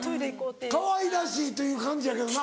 かわいらしいという感じやけどな。